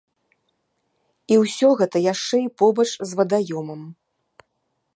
І ўсё гэта яшчэ і побач з вадаёмам.